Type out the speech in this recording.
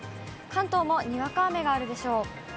関東もにわか雨があるでしょう。